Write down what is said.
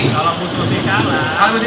kalau bu susi kalah